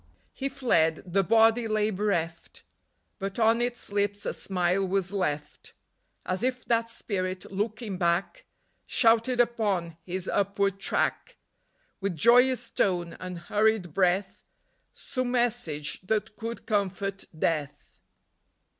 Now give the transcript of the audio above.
He fled : the Body lay bereft, But on its lips a smile was left, As if that Spirit, looking back, Shouted upon his upward track, With joyous tone and hurried breath, Some message that could comfort Death.